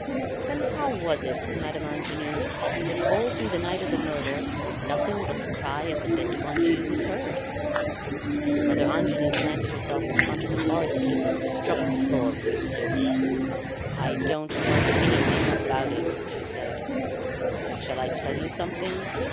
"Then how was it, Madame Angenoux, that all through the night of the murder nothing but the cry of the Bete du bon Dieu was heard?" Mother Angenoux planted herself in front of the forest keeper and struck the floor with her stick. "I don't know anything about it," she said. "But shall I tell you something?